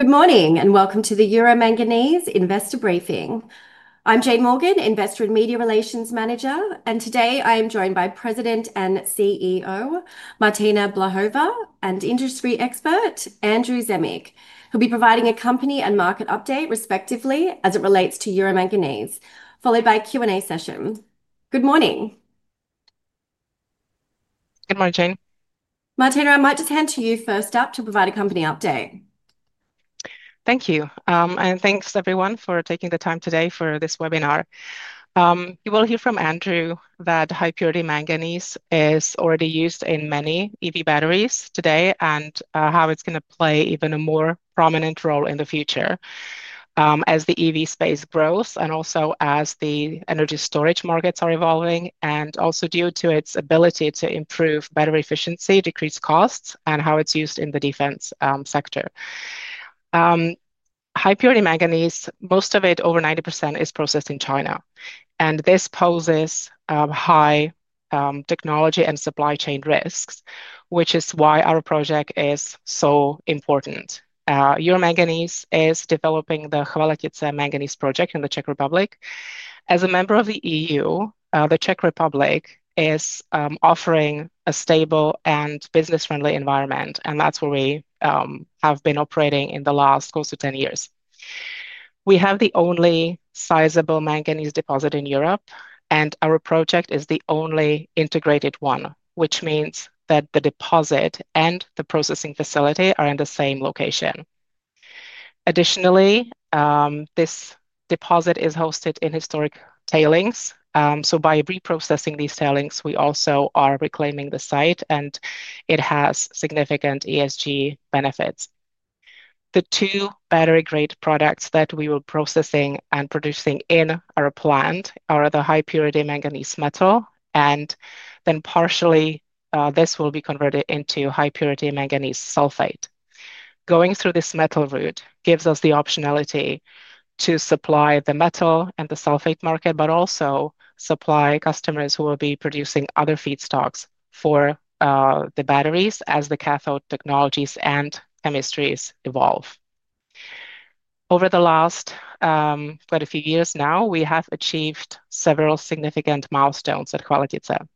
Good morning and welcome to the Euro Manganese Investor Briefing. I'm Jane Morgan, Investor and Media Relations Manager, and today I am joined by President and CEO Martina Blahova and industry expert Andrew Zemek, who will be providing a company and market update, respectively, as it relates to Euro Manganese, followed by a Q&A session. Good morning. Good morning, Jane. Martina, I might just hand to you first up to provide a company update. Thank you. Thank you, everyone, for taking the time today for this webinar. You will hear from Andrew high-purity manganese is already used in many EV batteries today and how it is going to play even a more prominent role in the future. As the EV space grows and as the energy storage markets are evolving, and also due to its ability to improve battery efficiency, decrease costs, and how it is used in the defense sector. High-purity manganese, most of it, over 90%, is processed in China, and this poses high technology and supply chain risks, which is why our project is so important. Euro Manganese is developing the Chvaletice Manganese project in the Czech Republic. As a member of the EU, the Czech Republic is offering a stable and business-friendly environment, and that is where we have been operating in the last close to 10 years. We have the only sizable manganese deposit in Europe, and our project is the only integrated one, which means that the deposit and the processing facility are in the same location. Additionally, this deposit is hosted in historic tailings, so by reprocessing these tailings, we also are reclaiming the site, and it has significant ESG benefits. The two battery-grade products that we will be processing and producing in our plant are high-purity manganese metal, and then partially this will be converted high-purity manganese sulphate. Going through this metal route gives us the optionality to supply the metal and the sulphate market, but also supply customers who will be producing other feedstocks for the batteries as the cathode technologies and chemistries evolve. Over the last quite a few years now, we have achieved several significant milestones at Chvaletice.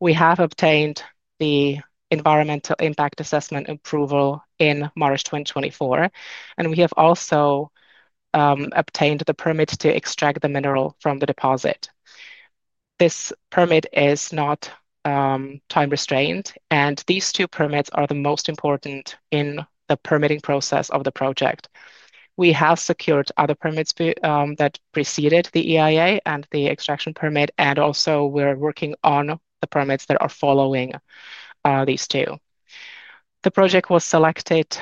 We have obtained the Environmental Impact Assessment approval in March 2024, and we have also obtained the permit to extract the mineral from the deposit. This permit is not time-restrained, and these two permits are the most important in the permitting process of the project. We have secured other permits that preceded the EIA and the extraction permit, and also we're working on the permits that are following these two. The project was selected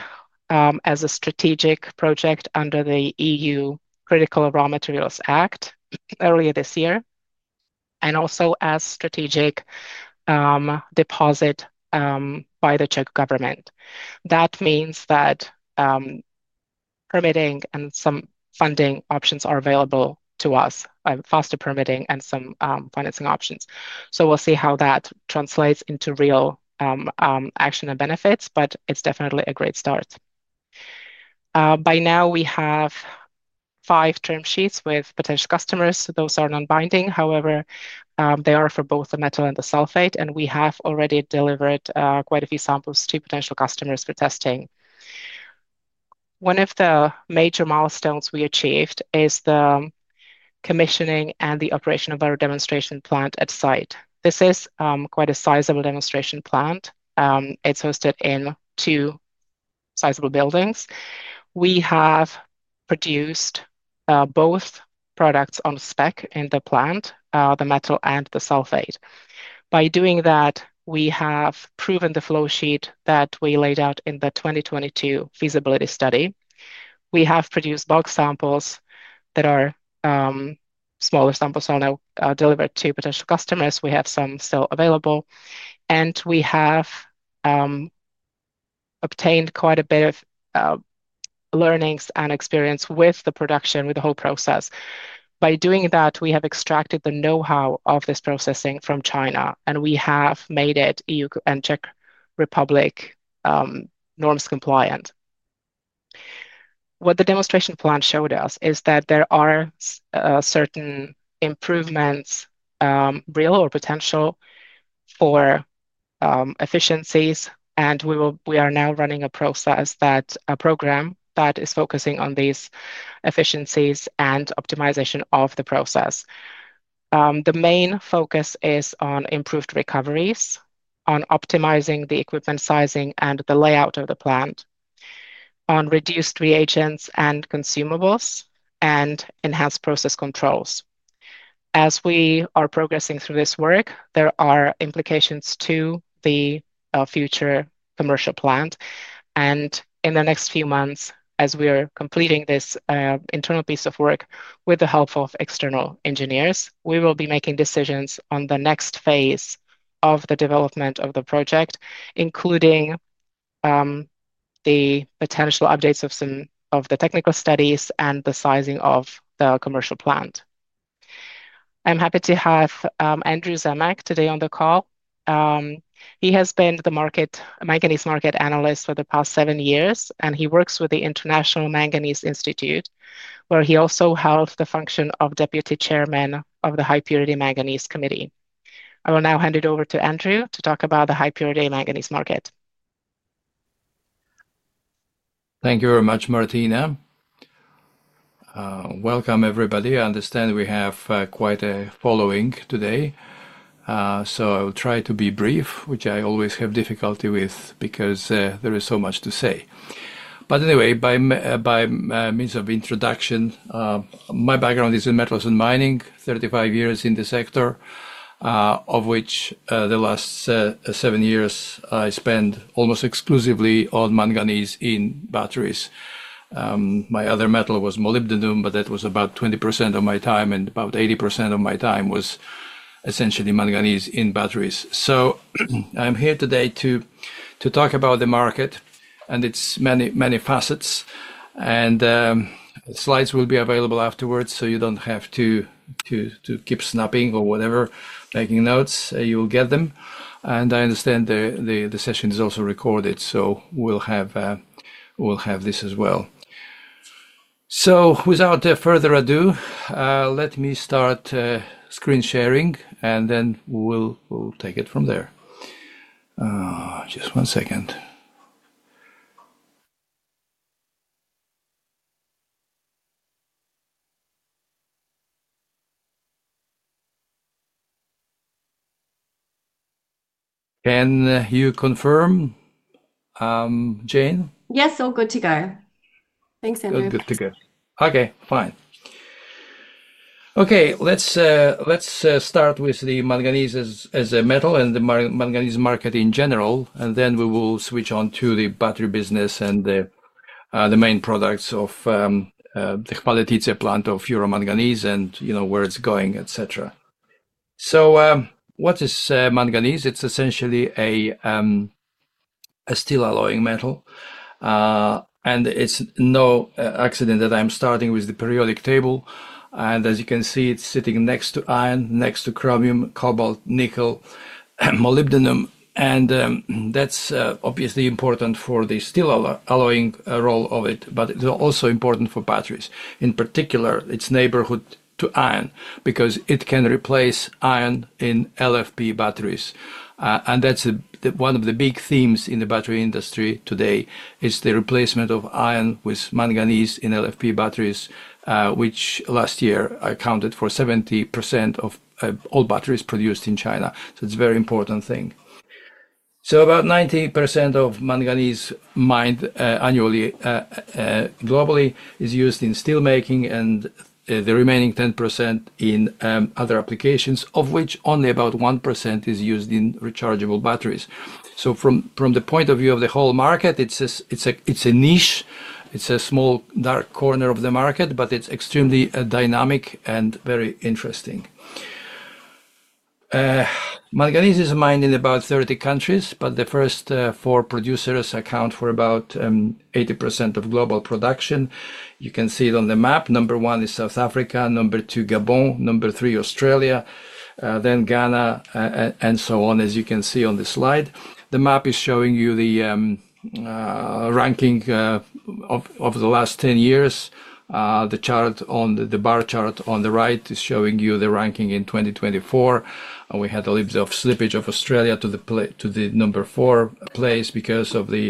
as a strategic project under the EU Critical Raw Materials Act earlier this year, and also as a strategic deposit by the Czech government. That means that permitting and some funding options are available to us, faster permitting and some financing options. We will see how that translates into real action and benefits, but it's definitely a great start. By now, we have five term sheets with potential customers. Those are non-binding. However, they are for both the metal and the sulphate, and we have already delivered quite a few samples to potential customers for testing. One of the major milestones we achieved is the commissioning and the operation of our demonstration plant at site. This is quite a sizable demonstration plant. It's hosted in two sizable buildings. We have produced both products on spec in the plant, the metal and the sulphate. By doing that, we have proven the flowsheet that we laid out in the 2022 feasibility study. We have produced bulk samples. Smaller samples are now delivered to potential customers. We have some still available. We have obtained quite a bit of learnings and experience with the production, with the whole process. By doing that, we have extracted the know-how of this processing from China, and we have made it EU and Czech Republic norms compliant. What the demonstration plant showed us is that there are certain improvements, real or potential, for efficiencies, and we are now running a program that is focusing on these efficiencies and optimization of the process. The main focus is on improved recoveries, on optimizing the equipment sizing and the layout of the plant, on reduced reagents and consumables, and enhanced process controls. As we are progressing through this work, there are implications to the future commercial plant. In the next few months, as we are completing this internal piece of work with the help of external engineers, we will be making decisions on the next phase of the development of the project, including the potential updates of some of the technical studies and the sizing of the commercial plant. I'm happy to have Andrew Zemek today on the call. He has been the manganese market analyst for the past seven years, and he works with the International Manganese Institute, where he also held the function of Deputy Chairman of the high-purity manganese Committee. I will now hand it over to Andrew to talk about high-purity manganese market. Thank you very much, Martina. Welcome, everybody. I understand we have quite a following today. I will try to be brief, which I always have difficulty with because there is so much to say. By means of introduction, my background is in metals and mining, 35 years in the sector, of which the last seven years I spent almost exclusively on manganese in batteries. My other metal was molybdenum, but that was about 20% of my time, and about 80% of my time was essentially manganese in batteries. I am here today to talk about the market and its many, many facets. Slides will be available afterwards, so you do not have to keep snapping or whatever, making notes. You will get them. I understand the session is also recorded, so we will have this as well. Without further ado, let me start. Screen sharing, and then we'll take it from there. Just one second. Can you confirm, Jane? Yes, all good to go. Thanks, Andrew. All good to go. Okay, fine. Okay, let's start with the manganese as a metal and the manganese market in general, and then we will switch on to the battery business and the main products of the Chvaletice plant of Euro Manganese and where it's going, etc. What is manganese? It's essentially a steel alloying metal. It's no accident that I'm starting with the periodic table. As you can see, it's sitting next to iron, next to chromium, cobalt, nickel, and molybdenum. That's obviously important for the steel alloying role of it, but it's also important for batteries. In particular, its neighborhood to iron because it can replace iron in LFP batteries. That's one of the big themes in the battery industry today, the replacement of iron with manganese in LFP batteries, which last year accounted for 70% of all batteries produced in China. It's a very important thing. About 90% of manganese mined annually globally is used in steelmaking, and the remaining 10% in other applications, of which only about 1% is used in rechargeable batteries. From the point of view of the whole market, it's a niche. It's a small dark corner of the market, but it's extremely dynamic and very interesting. Manganese is mined in about 30 countries, but the first four producers account for about 80% of global production. You can see it on the map. Number one is South Africa, number two Gabon, number three Australia, then Ghana, and so on, as you can see on the slide. The map is showing you the ranking of the last 10 years. The bar chart on the right is showing you the ranking in 2024. We had a little bit of slippage of Australia to the number four place because of the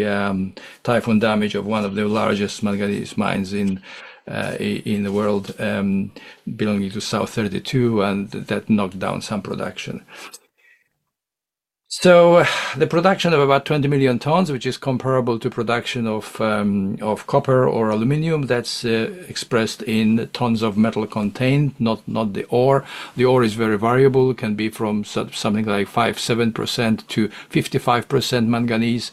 typhoon damage of one of the largest manganese mines in the world belonging to South32, and that knocked down some production. The production of about 20 million tons, which is comparable to production of copper or aluminum, that's expressed in tons of metal contained, not the ore. The ore is very variable. It can be from something like 57% to 55% manganese,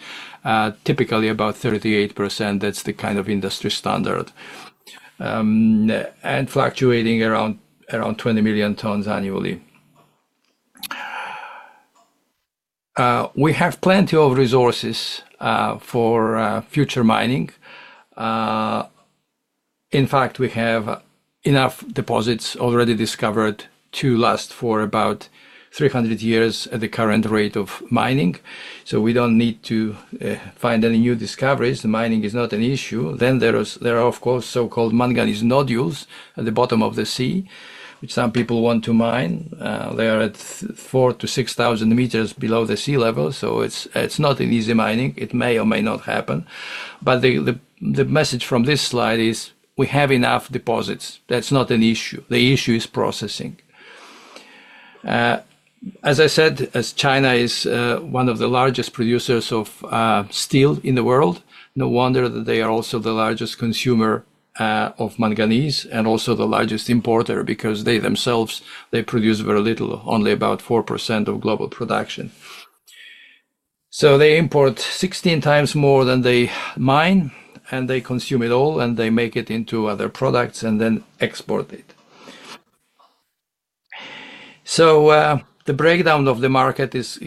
typically about 38%. That's the kind of industry standard. Fluctuating around 20 million tons annually. We have plenty of resources for future mining. In fact, we have enough deposits already discovered to last for about 300 years at the current rate of mining. We do not need to find any new discoveries. The mining is not an issue. There are, of course, so-called manganese nodules at the bottom of the sea, which some people want to mine. They are at 4,000 m-6,000 m below sea level. It is not an easy mining. It may or may not happen. The message from this slide is we have enough deposits. That is not an issue. The issue is processing. As I said, as China is one of the largest producers of steel in the world, no wonder that they are also the largest consumer of manganese and also the largest importer because they themselves produce very little, only about 4% of global production. They import 16x more than they mine, and they consume it all, and they make it into other products and then export it. The breakdown of the market is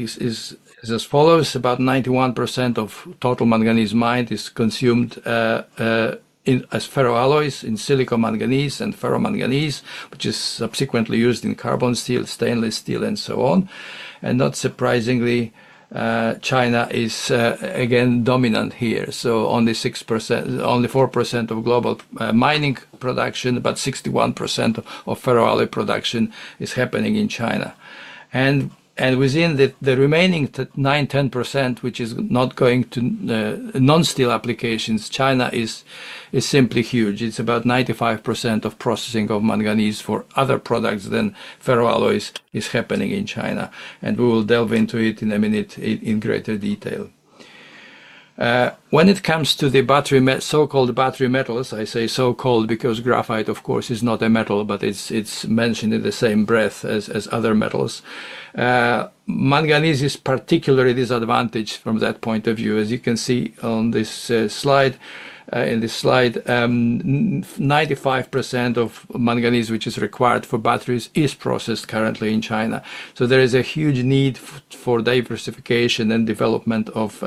as follows: about 91% of total manganese mined is consumed. As ferroalloys in silicon manganese and ferro manganese, which is subsequently used in carbon steel, stainless steel, and so on. Not surprisingly, China is again dominant here. Only 4% of global mining production, but 61% of ferroalloy production is happening in China. Within the remaining 9%-10%, which is not going to non-steel applications, China is simply huge. It is about 95% of processing of manganese for other products than ferroalloys is happening in China. We will delve into it in a minute in greater detail. When it comes to the so-called battery metals, I say so-called because graphite, of course, is not a metal, but it is mentioned in the same breath as other metals. Manganese is particularly disadvantaged from that point of view. As you can see on this slide, in this slide, 95% of manganese, which is required for batteries, is processed currently in China. There is a huge need for diversification and development of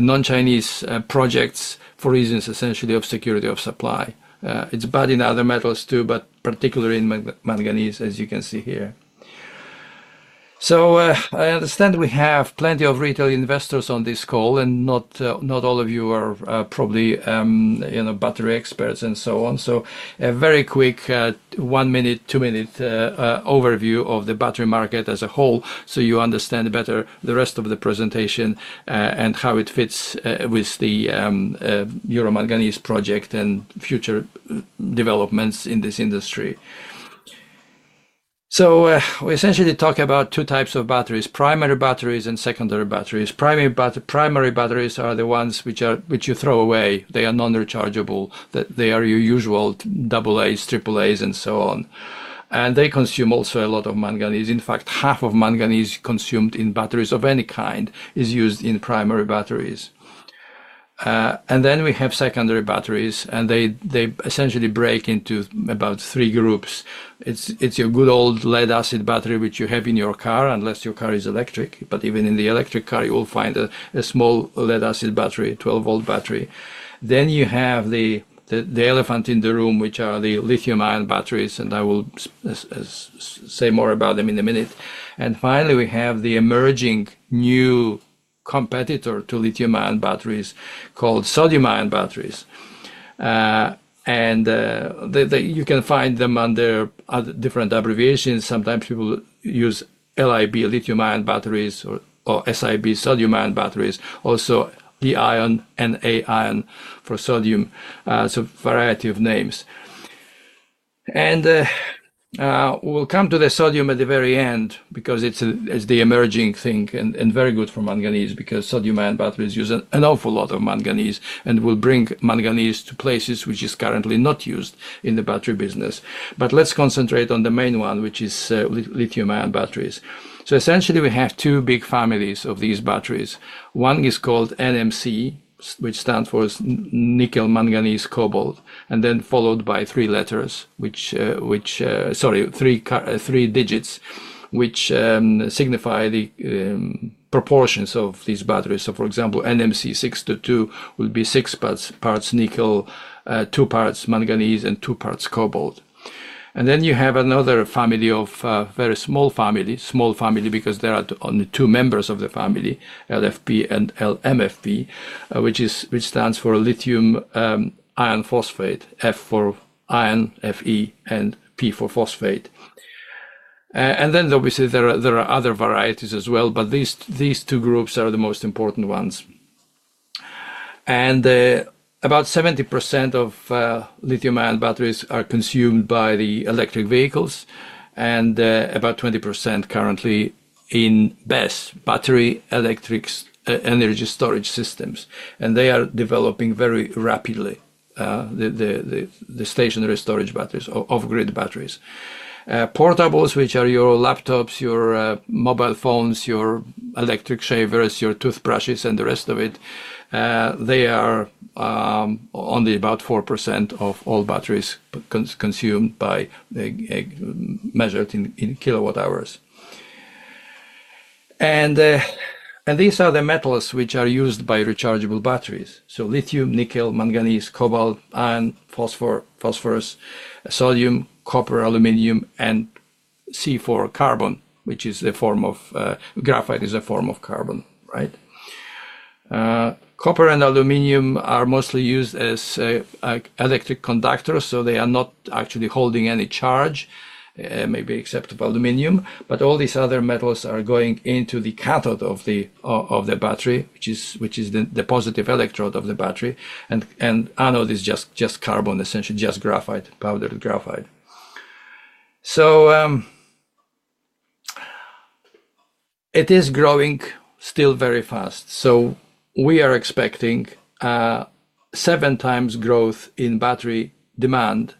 non-Chinese projects for reasons essentially of security of supply. It's bad in other metals too, but particularly in manganese, as you can see here. I understand we have plenty of retail investors on this call, and not all of you are probably battery experts and so on. A very quick one-minute, two-minute overview of the battery market as a whole so you understand better the rest of the presentation and how it fits with the Euro Manganese project and future developments in this industry. We essentially talk about two types of batteries: primary batteries and secondary batteries. Primary batteries are the ones which you throw away. They are non-rechargeable. They are your usual AAs, AAAs, and so on. They consume also a lot of manganese. In fact, half of manganese consumed in batteries of any kind is used in primary batteries. We have secondary batteries, and they essentially break into about three groups. It is your good old lead-acid battery, which you have in your car, unless your car is electric. Even in the electric car, you will find a small lead-acid battery, 12-volt battery. You have the elephant in the room, which are the lithium-ion batteries. I will say more about them in a minute. Finally, we have the emerging new competitor to lithium-ion batteries called sodium-ion batteries. You can find them under different abbreviations. Sometimes people use LIB, lithium-ion batteries, or SIB, sodium-ion batteries. Also, the ion and A-ion for sodium. A variety of names. We'll come to the sodium at the very end because it's the emerging thing and very good for manganese because sodium-ion batteries use an awful lot of manganese and will bring manganese to places which is currently not used in the battery business. Let's concentrate on the main one, which is lithium-ion batteries. Essentially, we have two big families of these batteries. One is called NMC, which stands for Nickel-Manganese-Cobalt, and then followed by three digits, which signify the proportions of these batteries. For example, NMC-622 would be six parts nickel, two parts manganese, and two parts cobalt. Then you have another family, a very small family because there are only two members of the family, LFP and LMFP, which stands for lithium-iron-phosphate, F for iron, Fe, and P for phosphate. Obviously, there are other varieties as well, but these two groups are the most important ones. About 70% of lithium-ion batteries are consumed by electric vehicles and about 20% currently in BESS, battery energy storage systems. They are developing very rapidly. The stationary storage batteries or off-grid batteries, portables, which are your laptops, your mobile phones, your electric shavers, your toothbrushes, and the rest of it, are only about 4% of all batteries consumed, measured in kilowatt-hours. These are the metals which are used by rechargeable batteries: lithium, Nickel-Manganese-Cobalt, iron, phosphorus, sodium, copper, aluminum, and C4 carbon, which is a form of graphite, a form of carbon, right? Copper and aluminum are mostly used as electric conductors, so they are not actually holding any charge, maybe except for aluminum. All these other metals are going into the cathode of the battery, which is the positive electrode of the battery. The anode is just carbon, essentially just graphite, powdered graphite. It is growing still very fast. We are expecting sevenx growth in battery demand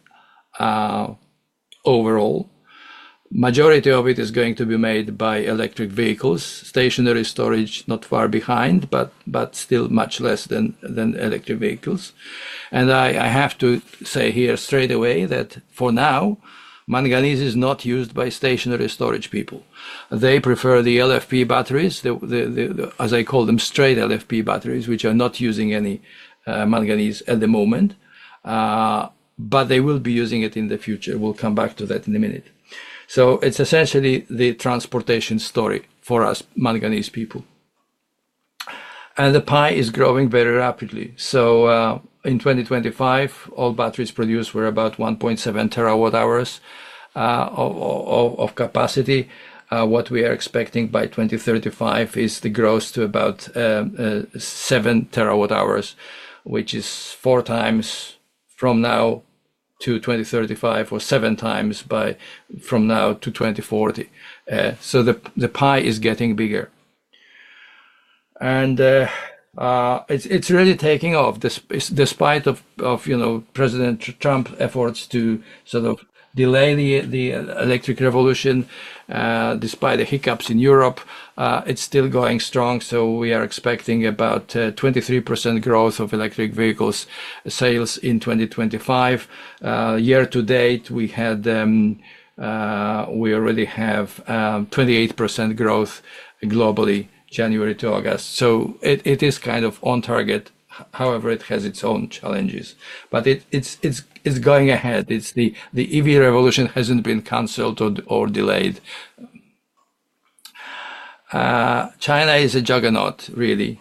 overall. The majority of it is going to be made by electric vehicles. Stationary storage, not far behind, but still much less than electric vehicles. I have to say here straight away that for now, manganese is not used by stationary storage people. They prefer the LFP batteries, as I call them, straight LFP batteries, which are not using any manganese at the moment. They will be using it in the future. We'll come back to that in a minute. It is essentially the transportation story for us, manganese people. The pie is growing very rapidly. In 2025, all batteries produced were about 1.7 TW hours of capacity. What we are expecting by 2035 is the growth to about 7 TW hours, which is fourx from now to 2035 or sevenx from now to 2040. The pie is getting bigger. It is really taking off. Despite President Trump's efforts to sort of delay the electric revolution, despite the hiccups in Europe, it is still going strong. We are expecting about 23% growth of electric vehicle sales in 2025. Year to date, we already have 28% growth globally, January to August. It is kind of on target. However, it has its own challenges, but it is going ahead. The EV revolution has not been canceled or delayed. China is a juggernaut, really.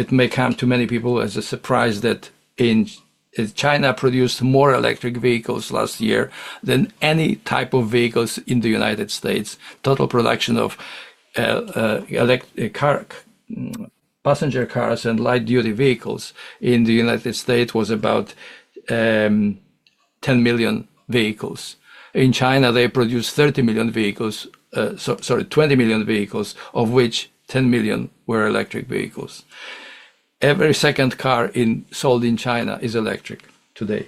It may come to many people as a surprise that. China produced more electric vehicles last year than any type of vehicles in the U.S. Total production of passenger cars and light-duty vehicles in the U.S. was about 10 million vehicles. In China, they produced 30 million vehicles. Sorry, 20 million vehicles, of which 10 million were electric vehicles. Every second car sold in China is electric today.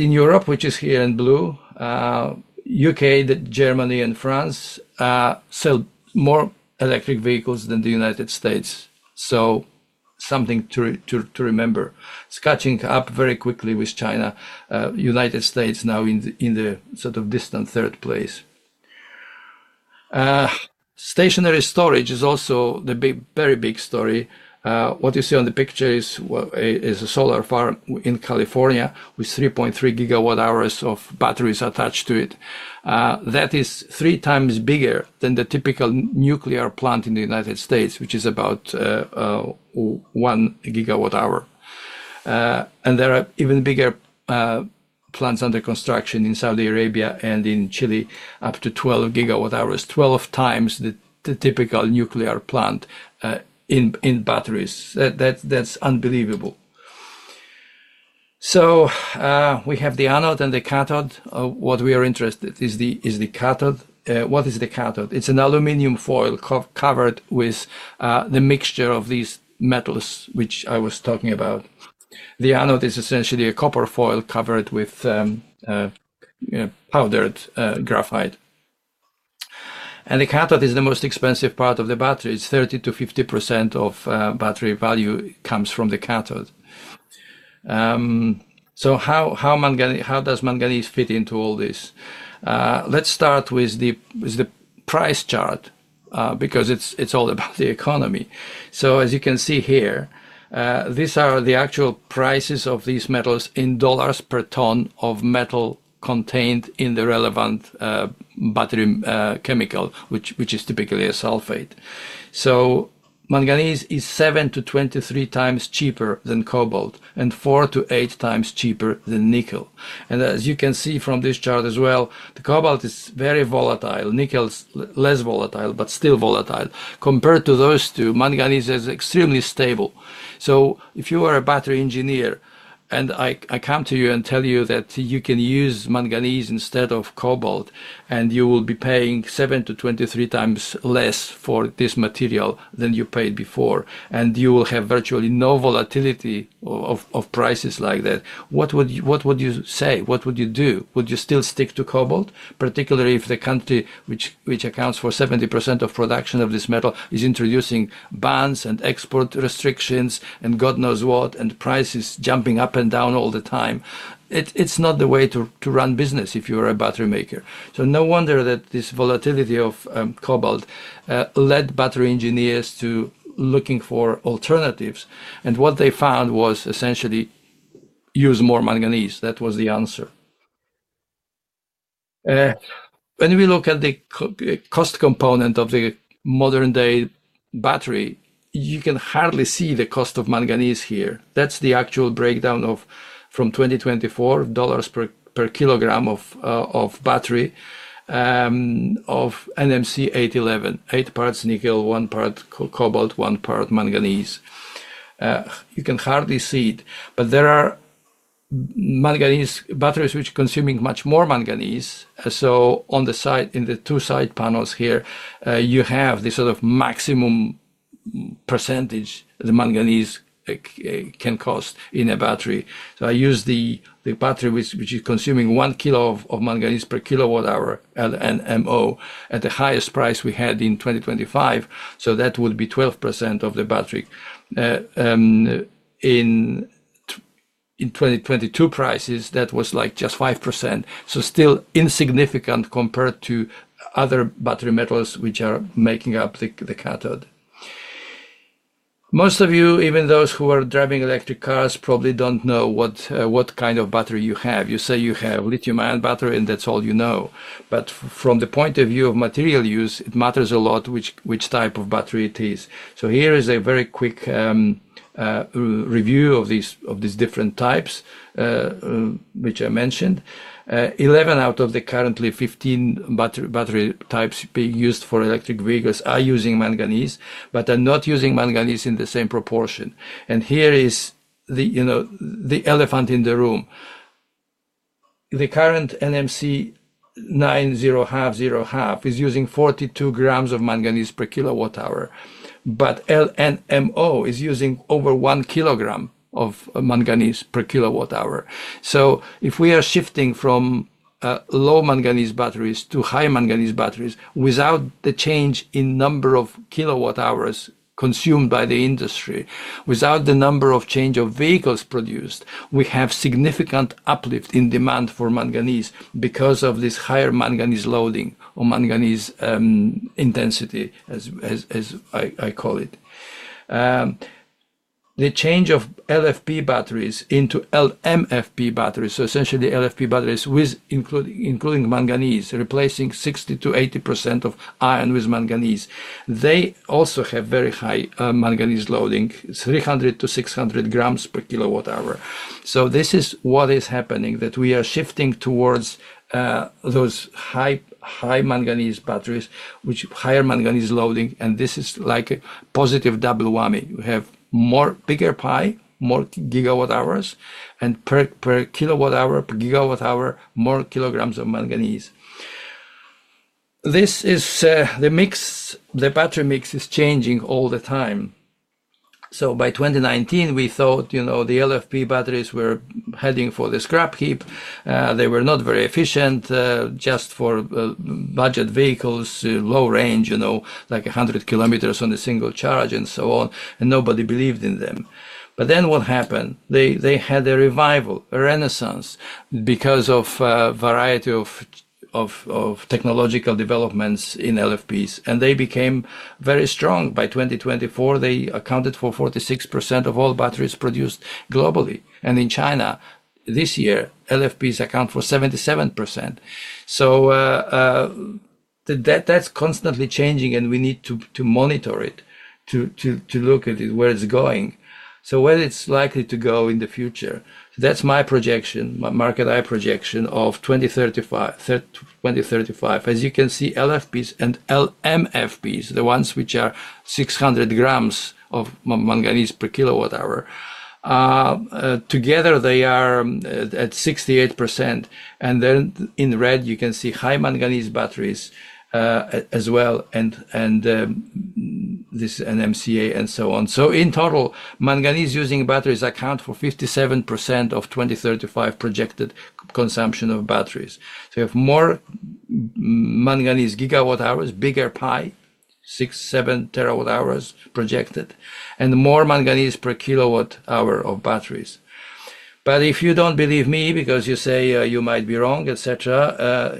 In Europe, which is here in blue, the U.K., Germany, and France sell more electric vehicles than the U.S. Something to remember. It is catching up very quickly with China. The U.S. is now in the sort of distant third place. Stationary storage is also the very big story. What you see on the picture is a solar farm in California with 3.3 GW hours of batteries attached to it. That is 3x bigger than the typical nuclear plant in the U.S., which is about 1 GW hour. There are even bigger plants under construction in Saudi Arabia and in Chile, up to 12 GW hours, 12x the typical nuclear plant. In batteries, that's unbelievable. We have the anode and the cathode. What we are interested in is the cathode. What is the cathode? It's an aluminum foil covered with the mixture of these metals, which I was talking about. The anode is essentially a copper foil covered with powdered graphite. The cathode is the most expensive part of the battery. It's 30%-50% of battery value comes from the cathode. How does manganese fit into all this? Let's start with the price chart because it's all about the economy. As you can see here, these are the actual prices of these metals in dollars per ton of metal contained in the relevant battery chemical, which is typically a sulphate. Manganese is 7x-23x cheaper than cobalt and 4x-8x cheaper than nickel. As you can see from this chart as well, the cobalt is very volatile, nickel's less volatile, but still volatile. Compared to those two, manganese is extremely stable. If you are a battery engineer and I come to you and tell you that you can use manganese instead of cobalt and you will be paying 7x-23x less for this material than you paid before, and you will have virtually no volatility of prices like that, what would you say? What would you do? Would you still stick to cobalt, particularly if the country which accounts for 70% of production of this metal is introducing bans and export restrictions and God knows what, and prices jumping up and down all the time? It's not the way to run business if you are a battery maker. No wonder that this volatility of cobalt led battery engineers to looking for alternatives. What they found was essentially use more manganese. That was the answer. When we look at the cost component of the modern-day battery, you can hardly see the cost of manganese here. That's the actual breakdown from 2024, dollars per kilogram of battery, of NMC-811, eight parts nickel, one part cobalt, one part manganese. You can hardly see it, but there are manganese batteries which are consuming much more manganese. On the side, in the two side panels here, you have the sort of maximum percentage the manganese can cost in a battery. I use the battery which is consuming 1 kilo of manganese per kilowatt-hour and MO at the highest price we had in 2025. That would be 12% of the battery. In 2022 prices, that was like just 5%. Still insignificant compared to other battery metals which are making up the cathode. Most of you, even those who are driving electric cars, probably do not know what kind of battery you have. You say you have a lithium-ion battery, and that is all you know. From the point of view of material use, it matters a lot which type of battery it is. Here is a very quick review of these different types, which I mentioned. Eleven out of the currently fifteen battery types being used for electric vehicles are using manganese, but are not using manganese in the same proportion. Here is the elephant in the room. The current NMC-9050 half is using 42 g of manganese per kilowatt-hour, but LNMO is using over 1 kg of manganese per kilowatt-hour. If we are shifting from low manganese batteries to high manganese batteries without the change in number of kilowatt-hours consumed by the industry, without the number of change of vehicles produced, we have significant uplift in demand for manganese because of this higher manganese loading or manganese intensity, as I call it. The change of LFP batteries into LMFP batteries, so essentially LFP batteries including manganese, replacing 60%-80% of iron with manganese, they also have very high manganese loading, 300-600 grams per kilowatt-hour. This is what is happening, that we are shifting towards those high manganese batteries with higher manganese loading, and this is like a positive double whammy. We have more bigger pie, more gigawatt hours, and per kilowatt-hour, per gigawatt hour, more kilograms of manganese. The battery mix is changing all the time. By 2019, we thought the LFP batteries were heading for the scrap heap. They were not very efficient, just for budget vehicles, low range, like 100 km on a single charge and so on, and nobody believed in them. Then what happened? They had a revival, a renaissance, because of a variety of technological developments in LFPs, and they became very strong. By 2024, they accounted for 46% of all batteries produced globally. In China, this year, LFPs account for 77%. That is constantly changing, and we need to monitor it, to look at where it is going, where it is likely to go in the future. That is my projection, my Marketeye projection of 2035. As you can see, LFPs and LMFPs, the ones which are 600 grams of manganese per kilowatt-hour, together, they are at 68%. In red, you can see high manganese batteries. As well, and. This is NMCA and so on. In total, manganese-using batteries account for 57% of 2035 projected consumption of batteries. You have more manganese GW hours, bigger pie, 6 TW-7 TW hours projected, and more manganese per kilowatt-hour of batteries. If you do not believe me because you say you might be wrong, etc.,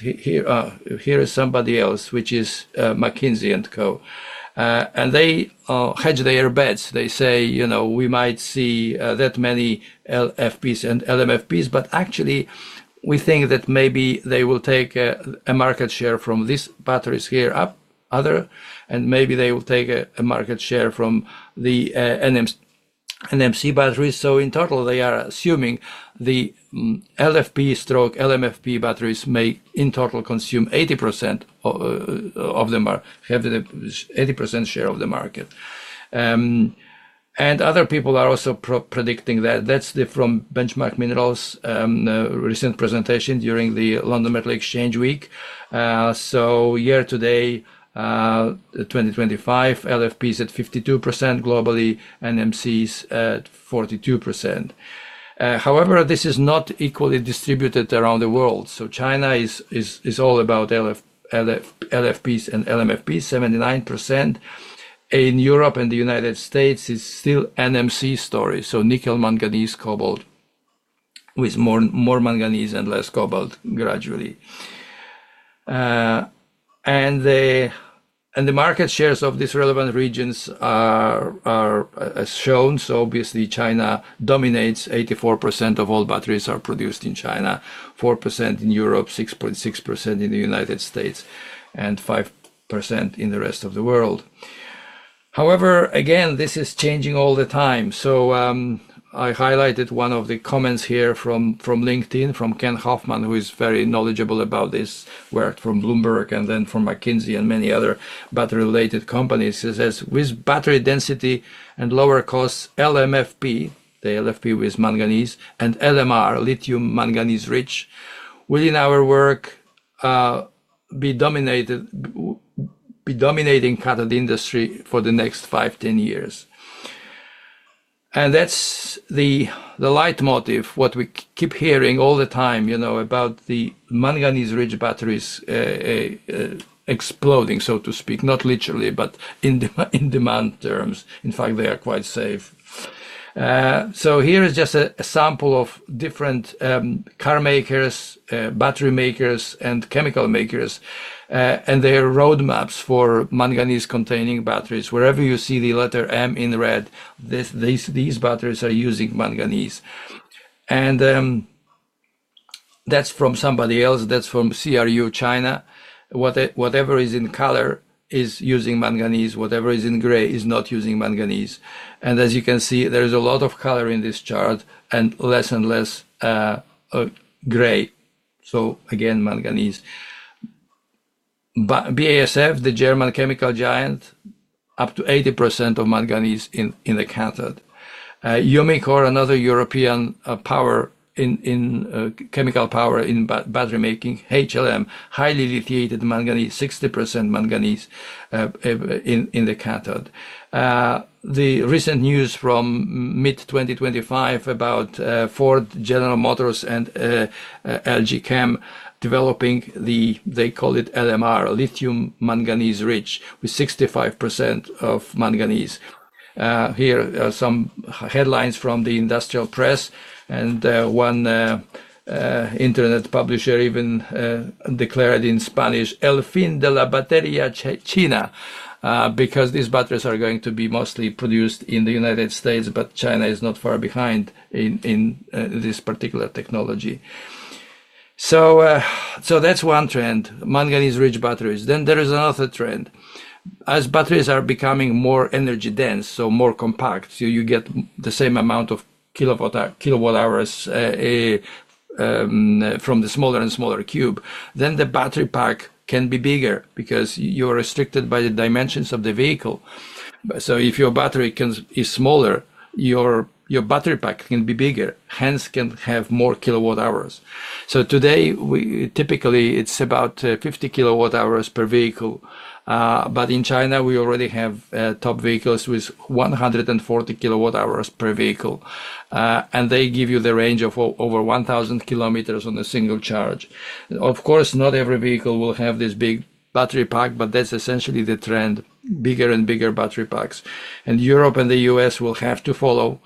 here is somebody else, which is McKinsey & Co. They hedge their bets. They say, "We might see that many LFPs and LMFPs," but actually, we think that maybe they will take a market share from these batteries here, other, and maybe they will take a market share from the NMC batteries. In total, they are assuming the LFP/LMFP batteries may in total consume 80% of the market, have 80% share of the market. Other people are also predicting that. That's from Benchmark Mineral's recent presentation during the London Metal Exchange Week. Year to date 2025, LFPs at 52% globally, NMCs at 42%. However, this is not equally distributed around the world. China is all about LFPs and LMFPs, 79%. In Europe and the United States, it's still an NMC story, so Nickel-Manganese-Cobalt, with more manganese and less cobalt gradually. The market shares of these relevant regions are as shown. Obviously, China dominates. 84% of all batteries are produced in China, 4% in Europe, 6.6% in the United States, and 5% in the rest of the world. However, again, this is changing all the time. I highlighted one of the comments here from LinkedIn, from Ken Hoffman, who is very knowledgeable about this work from Bloomberg and then from McKinsey and many other battery-related companies. He says, "With battery density and lower costs, LMFP, the LFP with manganese, and LMR, lithium manganese rich, will in our work. Be dominating. Cathode industry for the next 5 years-10 years." That is the leitmotif, what we keep hearing all the time about the manganese-rich batteries. Exploding, so to speak, not literally, but in demand terms. In fact, they are quite safe. Here is just a sample of different car makers, battery makers, and chemical makers, and their roadmaps for manganese-containing batteries. Wherever you see the letter M in red, these batteries are using manganese. That is from somebody else. That is from CRU, China. Whatever is in color is using manganese. Whatever is in gray is not using manganese. As you can see, there is a lot of color in this chart and less and less gray. Again, manganese. BASF, the German chemical giant, up to 80% of manganese in the cathode. Umicore, another European chemical power in battery making, HLM, highly lithiated manganese, 60% manganese in the cathode. The recent news from mid-2025 about Ford, General Motors, and LG Chem developing, they call it LMR, lithium manganese rich, with 65% of manganese. Here are some headlines from the industrial press, and one internet publisher even declared in Spanish, "El fin de la batería China," because these batteries are going to be mostly produced in the United States, but China is not far behind in this particular technology. That is one trend, manganese-rich batteries. There is another trend. As batteries are becoming more energy dense, so more compact, you get the same amount of kilowatt-hours from the smaller and smaller cube, then the battery pack can be bigger because you are restricted by the dimensions of the vehicle. If your battery is smaller, your battery pack can be bigger, hence can have more kilowatt-hours. Today, typically, it is about 50 KW hours per vehicle. In China, we already have top vehicles with 140 KW hours per vehicle, and they give you the range of over 1,000 km on a single charge. Of course, not every vehicle will have this big battery pack, but that is essentially the trend, bigger and bigger battery packs. Europe and the U.S. will have to follow,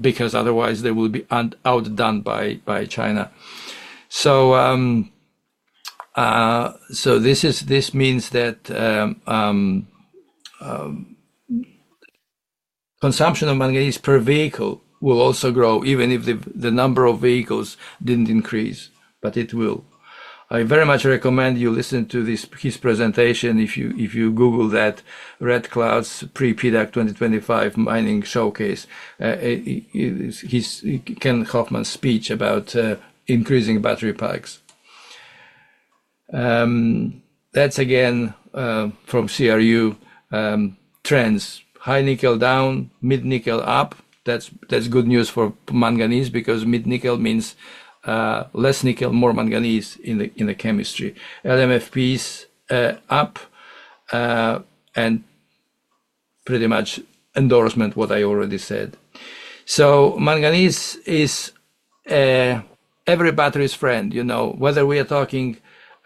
because otherwise, they will be outdone by China. This means that consumption of manganese per vehicle will also grow, even if the number of vehicles did not increase, but it will. I very much recommend you listen to his presentation. If you Google that, Red Cloud's Pre-PDAC 2025 Mining Showcase, Ken Hoffman's speech about increasing battery packs. That is again from CRU. Trends. High nickel down, mid nickel up. That's good news for manganese because mid nickel means less nickel, more manganese in the chemistry. LMFPs up. Pretty much endorsement, what I already said. Manganese is every battery's friend. Whether we are talking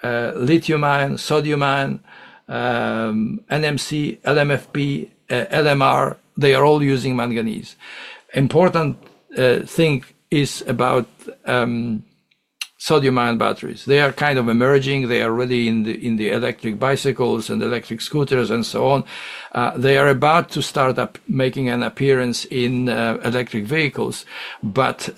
lithium ion, sodium ion, NMC, LMFP, LMR, they are all using manganese. Important thing is about sodium ion batteries. They are kind of emerging. They are ready in the electric bicycles and electric scooters and so on. They are about to start up making an appearance in electric vehicles, but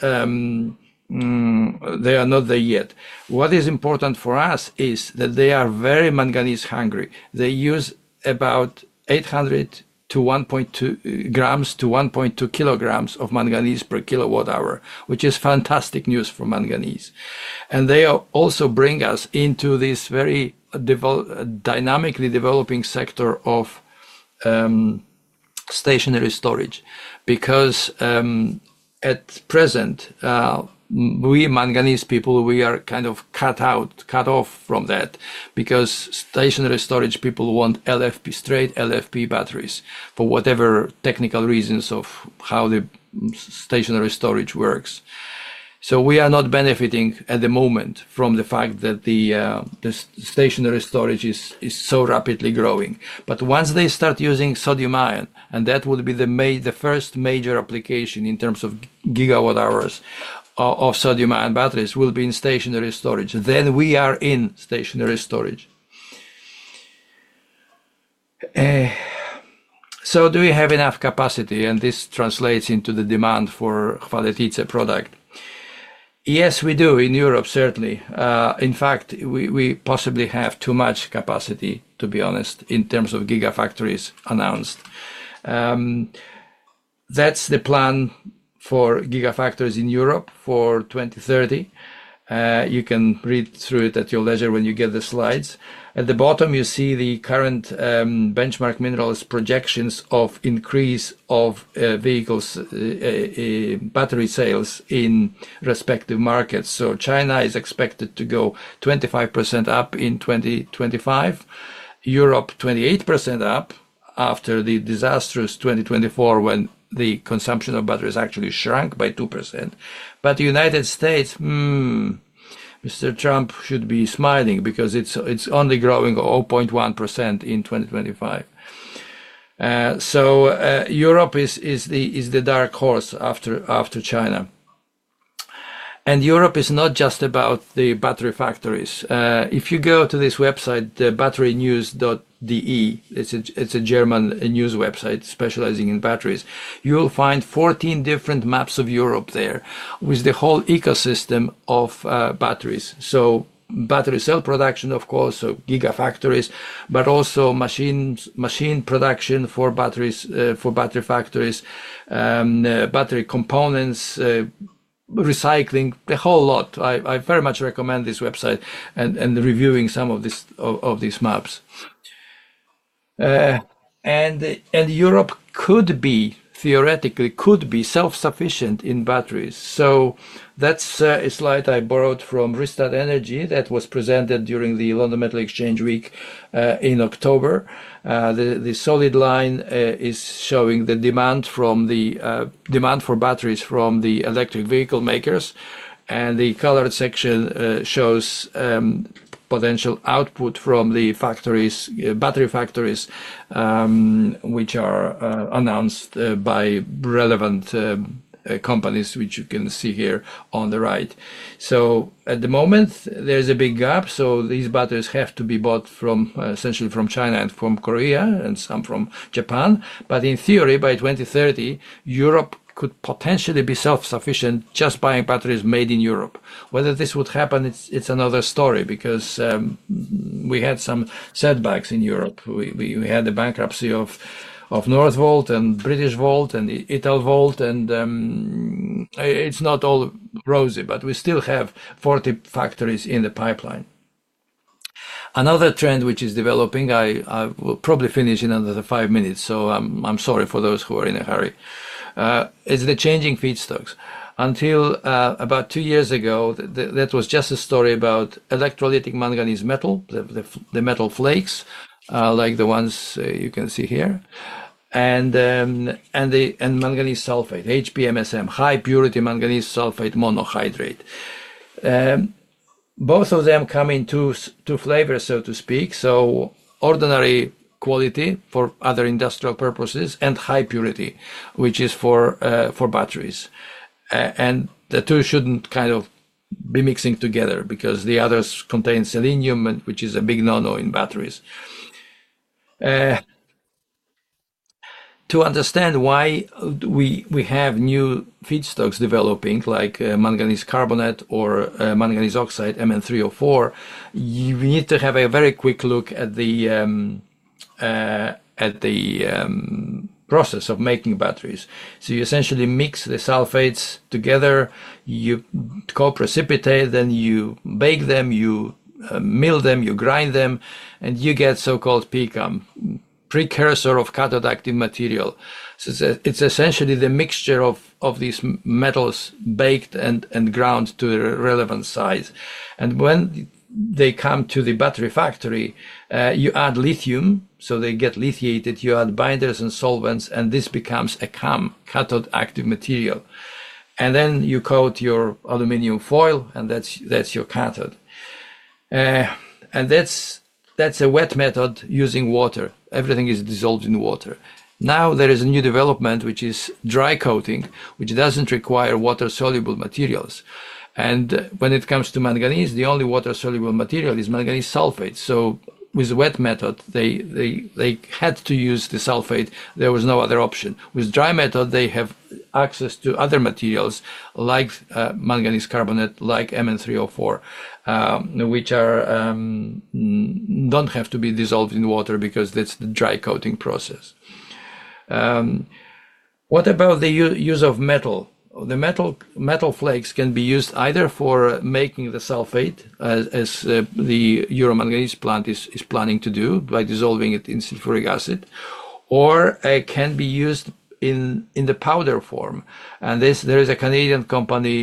they are not there yet. What is important for us is that they are very manganese hungry. They use about 800 g to 1.2 kg of manganese per kilowatt-hour, which is fantastic news for manganese. They also bring us into this very dynamically developing sector of stationary storage because at present. We, manganese people, we are kind of cut off from that because stationary storage people want LFP, straight LFP batteries, for whatever technical reasons of how the stationary storage works. We are not benefiting at the moment from the fact that the stationary storage is so rapidly growing. Once they start using sodium ion, and that would be the first major application in terms of gigawatt-hours of sodium ion batteries, will be in stationary storage, then we are in stationary storage. Do we have enough capacity? This translates into the demand for Chvaletice product. Yes, we do in Europe, certainly. In fact, we possibly have too much capacity, to be honest, in terms of gigafactories announced. That is the plan for gigafactories in Europe for 2030. You can read through it at your leisure when you get the slides. At the bottom, you see the current. Benchmark Minerals projections of increase of battery sales in respective markets. China is expected to go 25% up in 2025. Europe 28% up after the disastrous 2024 when the consumption of batteries actually shrank by 2%. The United States, Mr. Trump should be smiling because it's only growing 0.1% in 2025. Europe is the dark horse after China. Europe is not just about the battery factories. If you go to this website, batterynews.de, it's a German news website specializing in batteries, you'll find 14 different maps of Europe there with the whole ecosystem of batteries. Battery cell production, of course, so gigafactories, but also machine production for battery factories. Battery components. Recycling, the whole lot. I very much recommend this website and reviewing some of these maps. Europe could be, theoretically, could be self-sufficient in batteries. That's a slide I borrowed from Rystad Energy that was presented during the London Metal Exchange Week in October. The solid line is showing the demand for batteries from the electric vehicle makers. The colored section shows potential output from the battery factories, which are announced by relevant companies, which you can see here on the right. At the moment, there's a big gap. These batteries have to be bought essentially from China and from Korea and some from Japan. In theory, by 2030, Europe could potentially be self-sufficient just buying batteries made in Europe. Whether this would happen, it's another story because we had some setbacks in Europe. We had the bankruptcy of Northvolt and Britishvolt and Italvolt. It's not all rosy, but we still have 40 factories in the pipeline. Another trend which is developing, I will probably finish in another five minutes, so I'm sorry for those who are in a hurry. It is the changing feedstocks. Until about two years ago, that was just a story about electrolytic manganese metal, the metal flakes like the ones you can see here. Manganese sulphate, high-purity manganese sulphate monohydrate. Both of them come in two flavors, so to speak. Ordinary quality for other industrial purposes and high purity, which is for batteries. The two should not kind of be mixing together because the others contain selenium, which is a big no-no in batteries. To understand why we have new feedstocks developing like manganese carbonate or manganese oxide, Mn3O4, you need to have a very quick look at the process of making batteries. You essentially mix the sulphates together, you co-precipitate, then you bake them, you mill them, you grind them, and you get so-called pCAM, precursor of cathode active material. It is essentially the mixture of these metals baked and ground to the relevant size. When they come to the battery factory, you add lithium, so they get lithiated, you add binders and solvents, and this becomes a CAM, cathode active material. Then you coat your aluminum foil, and that is your cathode. That is a wet method using water. Everything is dissolved in water. Now there is a new development, which is dry coating, which does not require water-soluble materials. When it comes to manganese, the only water-soluble material is manganese sulphate. With the wet method, they had to use the sulphate. There was no other option. With dry method, they have access to other materials like manganese carbonate, like Mn3O4, which do not have to be dissolved in water because that is the dry coating process. What about the use of metal? The metal flakes can be used either for making the sulphate, as the Euro Manganese plant is planning to do by dissolving it in sulfuric acid, or it can be used in the powder form. There is a Canadian company,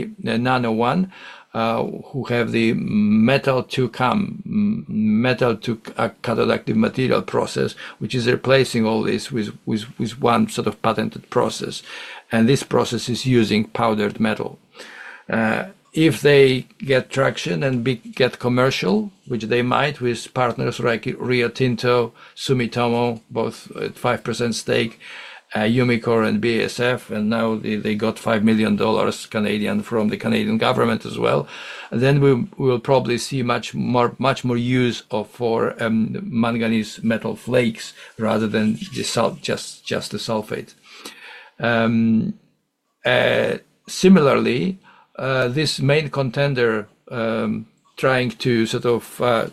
Nano One, who have the metal-to-CAM, metal-to-cathode active material process, which is replacing all this with one sort of patented process. This process is using powdered metal. If they get traction and get commercial, which they might with partners like Rio Tinto, Sumitomo, both at 5% stake, Umicore and BASF, and now they got 5 million Canadian dollars from the Canadian government as well, we will probably see much more use for. Manganese metal flakes rather than just the sulphate. Similarly, this main contender, trying to sort of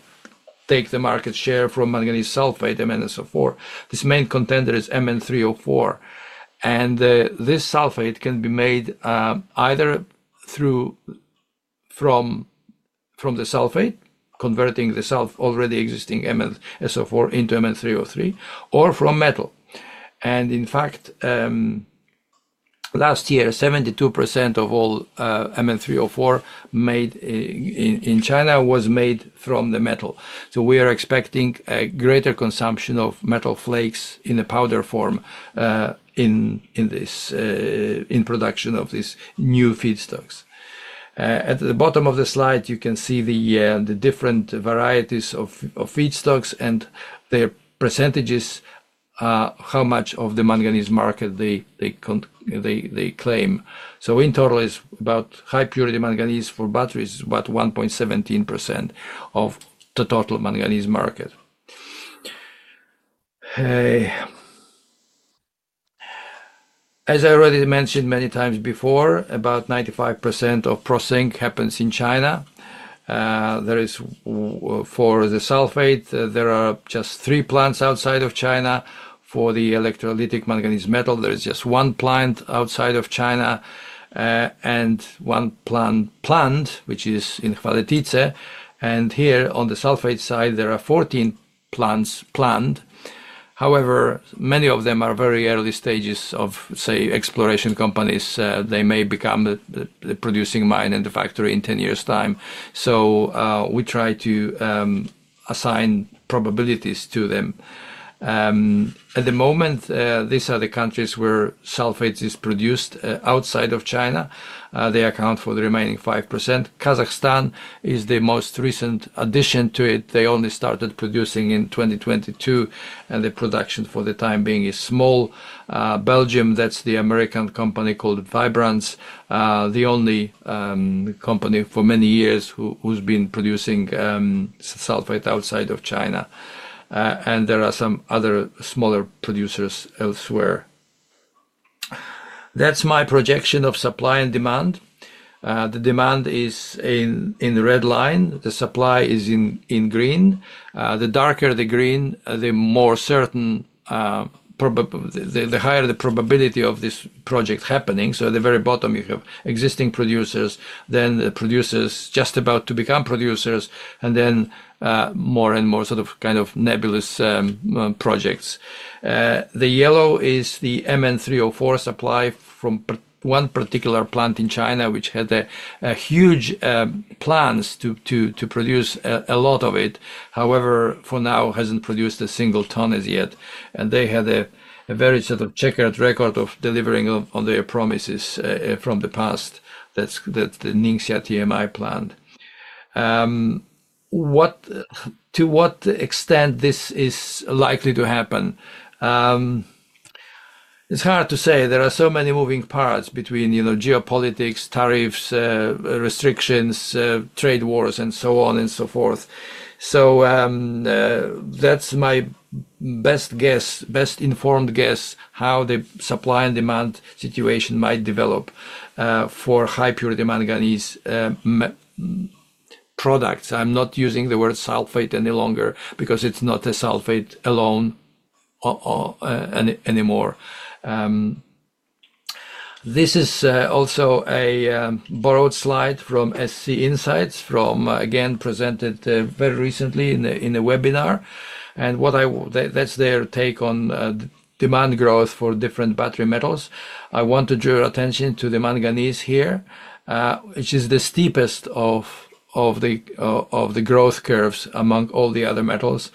take the market share from manganese sulphate and MnSO4, this main contender is Mn3O4. This sulphate can be made either from the sulphate, converting the already existing MnSO4 into Mn3O4, or from metal. In fact, last year, 72% of all Mn3O4 in China was made from the metal. We are expecting a greater consumption of metal flakes in the powder form in production of these new feedstocks. At the bottom of the slide, you can see the different varieties of feedstocks and their percentages, how much of the manganese market they claim. In high-purity manganese for batteries is about 1.17% of the total manganese market. As I already mentioned manyx before, about 95% of processing happens in China. For the sulphate, there are just three plants outside of China. For the electrolytic manganese metal, there is just one plant outside of China. One plant, which is in Chvaletice. Here on the sulphate side, there are 14 plants planned. However, many of them are very early stages of, say, exploration companies. They may become the producing mine and the factory in 10 years' time. We try to assign probabilities to them. At the moment, these are the countries where sulphate is produced outside of China. They account for the remaining 5%. Kazakhstan is the most recent addition to it. They only started producing in 2022, and the production for the time being is small. Belgium, that's the American company called Vibrantz, the only company for many years who's been producing sulphate outside of China. There are some other smaller producers elsewhere. That's my projection of supply and demand. The demand is in the red line. The supply is in green. The darker the green, the more certain, the higher the probability of this project happening. At the very bottom, you have existing producers, then the producers just about to become producers, and then more and more sort of kind of nebulous projects. The yellow is the Mn3O4 supply from one particular plant in China, which had huge plans to produce a lot of it. However, for now, hasn't produced a single ton as yet. They had a very sort of checkered record of delivering on their promises from the past. That's the Ningxia TMI plant. To what extent this is likely to happen? It's hard to say. There are so many moving parts between geopolitics, tariffs, restrictions, trade wars, and so on and so forth. That's my best guess, best informed guess, how the supply and demand situation might develop. high-purity manganese products. I'm not using the word sulphate any longer because it's not a sulphate alone anymore. This is also a borrowed slide from SC Insights, from again presented very recently in a webinar. And that's their take on demand growth for different battery metals. I want to draw your attention to the manganese here, which is the steepest of the growth curves among all the other metals.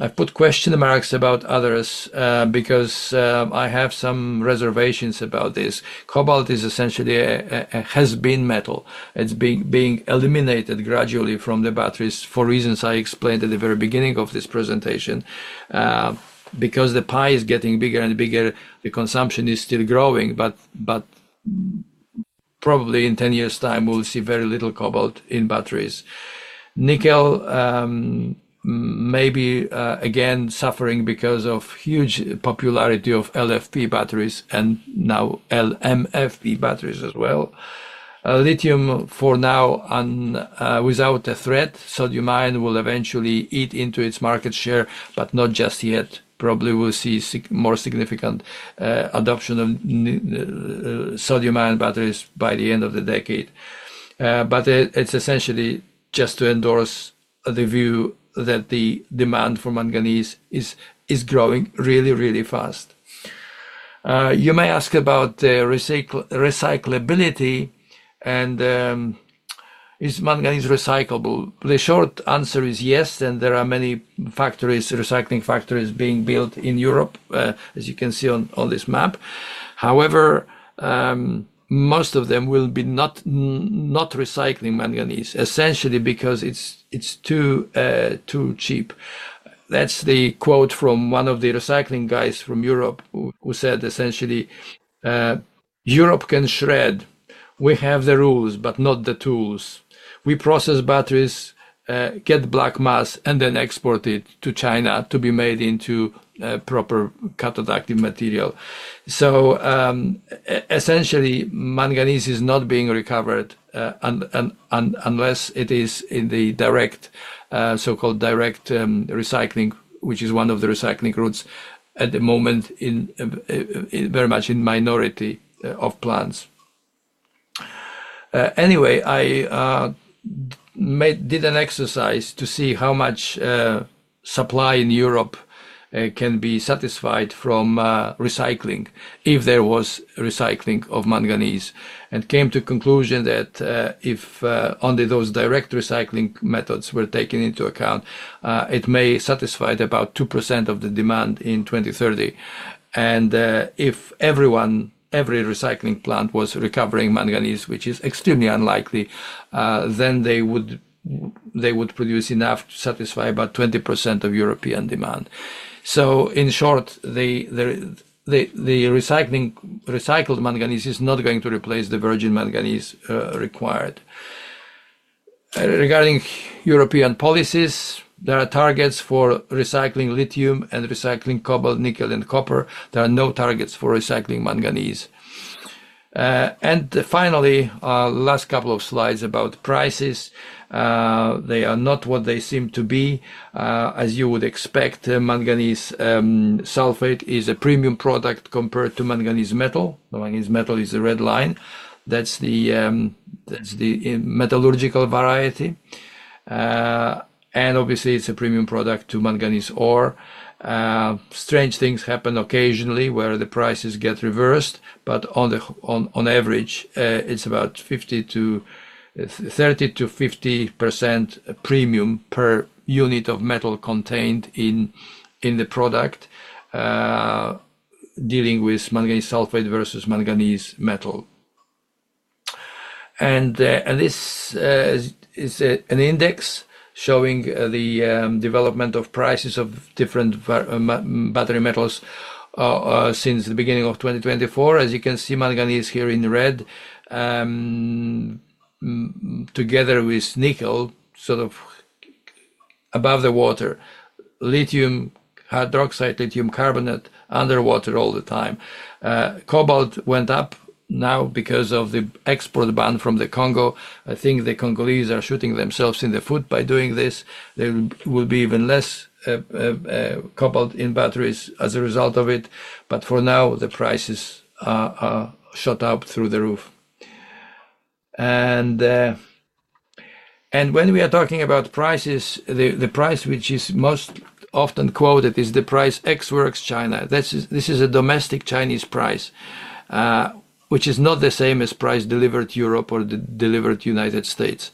I put question marks about others because I have some reservations about this. Cobalt is essentially a has-been metal. It's being eliminated gradually from the batteries for reasons I explained at the very beginning of this presentation. Because the pie is getting bigger and bigger, the consumption is still growing, but probably in 10 years' time, we'll see very little cobalt in batteries. Nickel. May be again suffering because of huge popularity of LFP batteries and now LMFP batteries as well. Lithium for now. Without a threat. Sodium ion will eventually eat into its market share, but not just yet. Probably we'll see more significant adoption of sodium ion batteries by the end of the decade. It is essentially just to endorse the view that the demand for manganese is growing really, really fast. You may ask about recyclability and is manganese recyclable? The short answer is yes, and there are many recycling factories being built in Europe, as you can see on this map. However, most of them will not recycle manganese, essentially because it's too cheap. That's the quote from one of the recycling guys from Europe who said essentially, "Europe can shred. We have the rules, but not the tools. We process batteries, get black mass, and then export it to China to be made into proper cathode active material. Essentially, manganese is not being recovered unless it is in the direct, so-called direct recycling, which is one of the recycling routes at the moment, very much in minority of plants. Anyway, I did an exercise to see how much supply in Europe can be satisfied from recycling, if there was recycling of manganese, and came to the conclusion that if only those direct recycling methods were taken into account, it may satisfy about 2% of the demand in 2030. If every recycling plant was recovering manganese, which is extremely unlikely, then they would produce enough to satisfy about 20% of European demand. In short, the recycled manganese is not going to replace the virgin manganese required. Regarding European policies, there are targets for recycling lithium and recycling cobalt, nickel, and copper. There are no targets for recycling manganese. Finally, last couple of slides about prices. They are not what they seem to be. As you would expect, manganese sulphate is a premium product compared to manganese metal. Manganese metal is the red line. That is the metallurgical variety. Obviously, it is a premium product to manganese ore. Strange things happen occasionally where the prices get reversed, but on average, it is about 30%-50% premium per unit of metal contained in the product dealing with manganese sulphate versus manganese metal. This is an index showing the development of prices of different battery metals since the beginning of 2024. As you can see, manganese here in red, together with nickel, sort of above the water, lithium hydroxide, lithium carbonate, underwater all the time. Cobalt went up now because of the export ban from the Congo. I think the Congolese are shooting themselves in the foot by doing this. There will be even less cobalt in batteries as a result of it. For now, the prices are shot up through the roof. When we are talking about prices, the price which is most often quoted is the price ex-works China. This is a domestic Chinese price, which is not the same as price delivered Europe or delivered United States.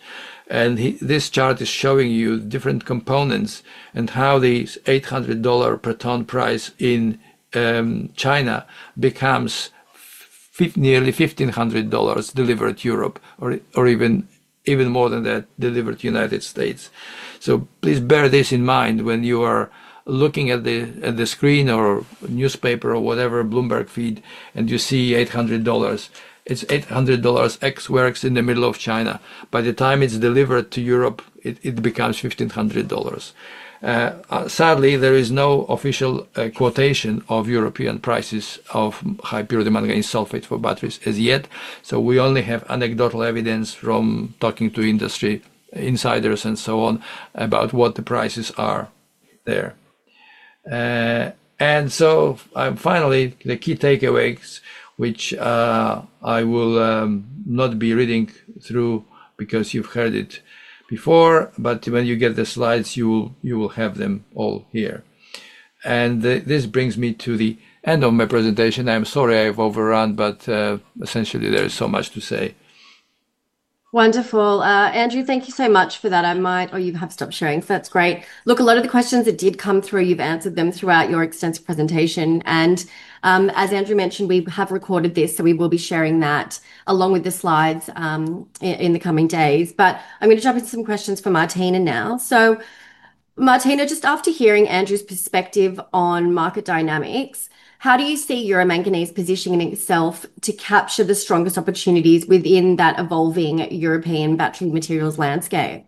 This chart is showing you different components and how the $800 per ton price in China becomes nearly $1,500 delivered Europe or even more than that, delivered United States. Please bear this in mind when you are looking at the screen or newspaper or whatever, Bloomberg feed, and you see $800. It is $800 ex-works in the middle of China. By the time it's delivered to Europe, it becomes $1,500. Sadly, there is no official quotation of European prices high-purity manganese sulphate for batteries as yet. We only have anecdotal evidence from talking to industry insiders and so on about what the prices are there. Finally, the key takeaways, which I will not be reading through because you've heard it before, but when you get the slides, you will have them all here. This brings me to the end of my presentation. I'm sorry I've overrun, but essentially, there is so much to say. Wonderful. Andrew, thank you so much for that. I might, or you have stopped sharing. That's great. Look, a lot of the questions that did come through, you've answered them throughout your extensive presentation. As Andrew mentioned, we have recorded this, so we will be sharing that along with the slides in the coming days. I am going to jump into some questions for Martina now. Martina, just after hearing Andrew's perspective on market dynamics, how do you see Euro Manganese positioning itself to capture the strongest opportunities within that evolving European battery materials landscape?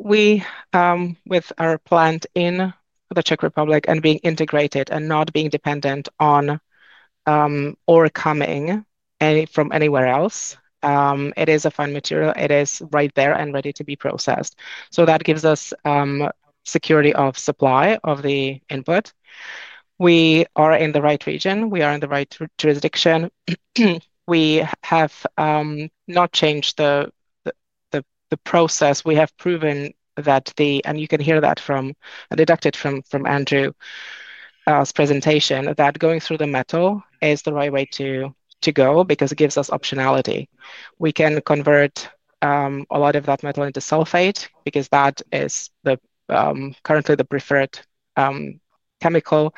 We, with our plant in the Czech Republic and being integrated and not being dependent on or coming from anywhere else, it is a fine material. It is right there and ready to be processed. That gives us security of supply of the input. We are in the right region. We are in the right jurisdiction. We have not changed the process. We have proven that the, and you can hear that from, deducted from Andrew's presentation, that going through the metal is the right way to go because it gives us optionality. We can convert a lot of that metal into sulphate because that is currently the preferred chemical.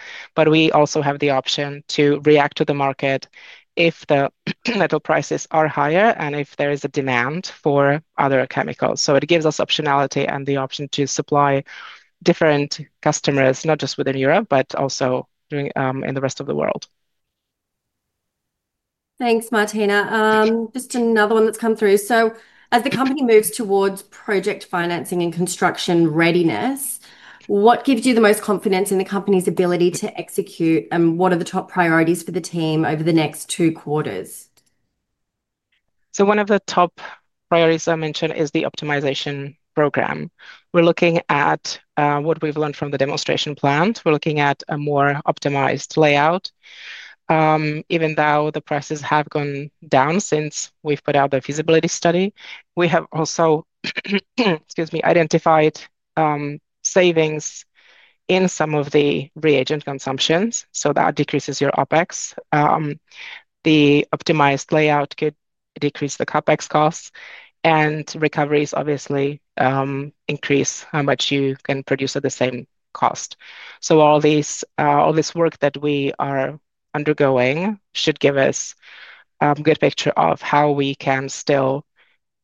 We also have the option to react to the market if the metal prices are higher and if there is a demand for other chemicals. It gives us optionality and the option to supply different customers, not just within Europe, but also in the rest of the world. Thanks, Martina. Just another one that's come through. As the company moves towards project financing and construction readiness, what gives you the most confidence in the company's ability to execute, and what are the top priorities for the team over the next two quarters? One of the top priorities I mentioned is the optimization program. We're looking at what we've learned from the demonstration plant. We're looking at a more optimized layout. Even though the prices have gone down since we put out the feasibility study, we have also identified savings in some of the reagent consumptions. That decreases your OpEx. The optimized layout could decrease the CapEx costs, and recoveries obviously increase how much you can produce at the same cost. All this work that we are undergoing should give us a good picture of how we can still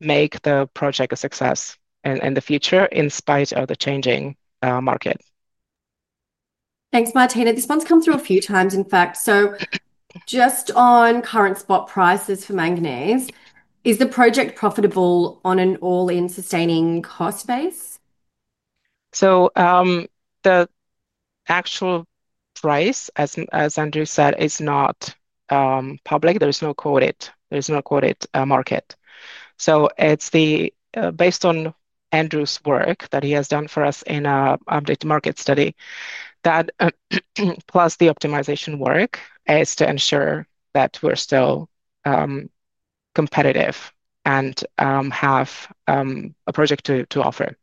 make the project a success in the future in spite of the changing market. Thanks, Martina. This one's come through a fewx, in fact. Just on current spot prices for manganese, is the project profitable on an all-in sustaining cost base? The actual price, as Andrew said, is not public. There is no quoted, there is no quoted market. So it's based on Andrew's work that he has done for us in an updated market study. That plus the optimization work is to ensure that we're still competitive and have a project to offer.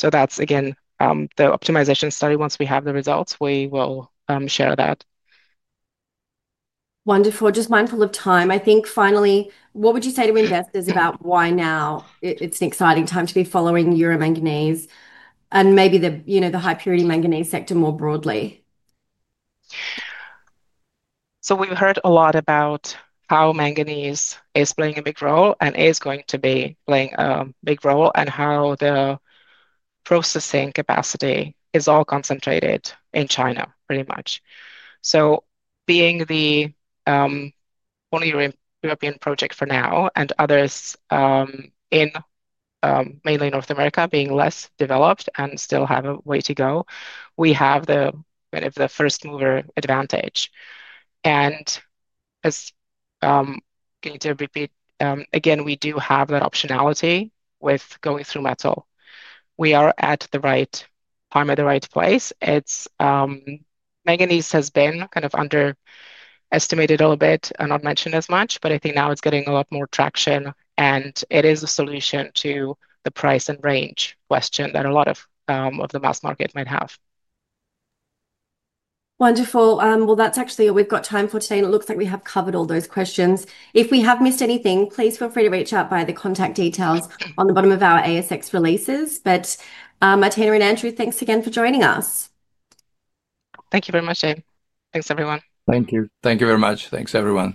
That's, again, the optimization study. Once we have the results, we will share that. Wonderful. Just mindful of time. I think finally, what would you say to investors about why now it's an exciting time to be following Euro Manganese and maybe high-purity manganese sector more broadly? We've heard a lot about how manganese is playing a big role and is going to be playing a big role and how the processing capacity is all concentrated in China, pretty much. Being the only European project for now and others in. Mainly North America, being less developed and still has a way to go, we have kind of the first mover advantage. As I am going to repeat again, we do have that optionality with going through metal. We are at the right time at the right place. Manganese has been kind of underestimated a little bit and not mentioned as much, but I think now it is getting a lot more traction, and it is a solution to the price and range question that a lot of the mass market might have. Wonderful. That is actually all we have got time for today. It looks like we have covered all those questions. If we have missed anything, please feel free to reach out via the contact details on the bottom of our ASX releases. Martina and Andrew, thanks again for joining us. Thank you very much, Jane. Thanks, everyone. Thank you. Thank you very much. Thanks, everyone.